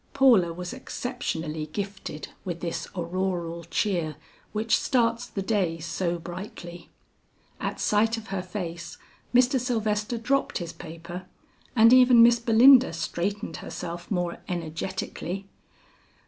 Paula was exceptionally gifted with this auroral cheer which starts the day so brightly. At sight of her face Mr. Sylvester dropped his paper, and even Miss Belinda straightened herself more energetically.